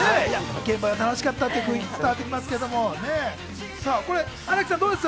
現場の楽しかった雰囲気が伝わってきますけれども、新木さんどうですか？